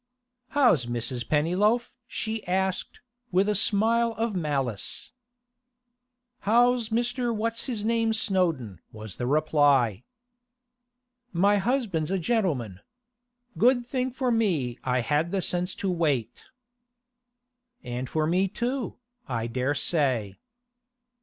'How's Mrs. Pennyloaf?' she asked, with a smile of malice. 'How's Mr. What's his name Snowdon?' was the reply. 'My husband's a gentleman. Good thing for me I had the sense to wait.' 'And for me too, I dare say.